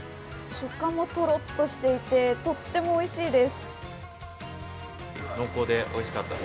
食感もとろっとしていて、とってもおいしいです。